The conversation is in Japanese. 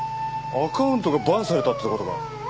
アカウントがＢＡＮされたって事か。